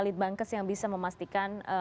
litbangkes yang bisa memastikan